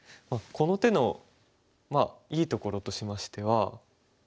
この手のまあいいところとしましては。